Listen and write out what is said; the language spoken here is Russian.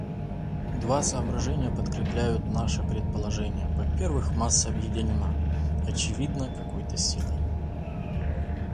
Два соображения подкрепляют наше предположение: во-первых, масса объединена, очевидно, какой-то силой.